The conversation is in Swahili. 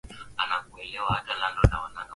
aah wamisri kiasi hiki cha shinikizo haki kuonekana